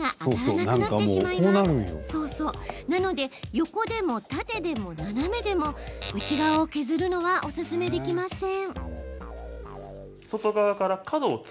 横でも縦でも斜めでも内側を削るのはおすすめできません。